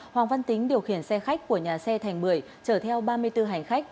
hoàng văn tính điều khiển xe khách của nhà xe thành bưởi chở theo ba mươi bốn hành khách